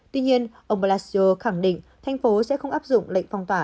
tuy nhiên ông blasio khẳng định thành phố sẽ không áp dụng lệnh phong tỏa